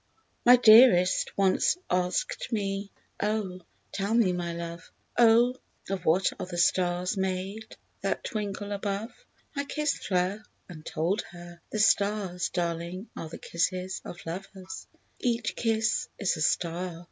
My dearest once asked me, Oh, tell me, my love, Of what are the stars made That twinkle above? I kissed her, and told her: "The stars, darling, are The kisses of lovers— Each kiss is a star."